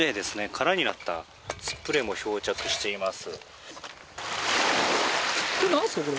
空になったスプレーも漂着しています。